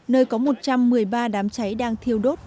nơi có một trăm một mươi ba đám cháy đang thiêu đốt